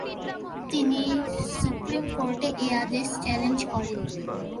তিনি সুপ্রিম কোর্টে এ আদেশ চ্যালেঞ্জ করেন।